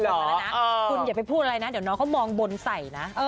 มาแล้วนะคุณอย่าไปพูดอะไรนะเดี๋ยวน้องเขามองบนใส่นะ